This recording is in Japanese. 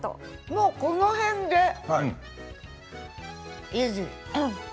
もう、この辺でゆず。